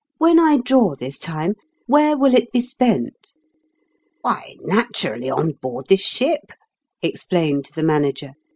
"When I draw this time, where will it be spent ?"" Why, naturally, on board this ship," ex plained the Manager.